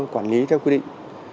quản lý theo quy định